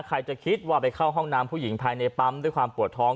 ใครจะคิดว่าไปเข้าห้องน้ำผู้หญิงภายในปั๊มด้วยความปวดท้อง